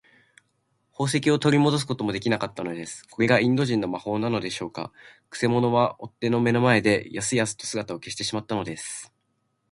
宝石をとりもどすこともできなかったのです。これがインド人の魔法なのでしょうか。くせ者は追っ手の目の前で、やすやすと姿を消してしまったのです。